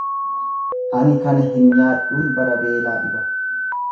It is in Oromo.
Ani kana hin nyaadhuun bara beelaa dhiba.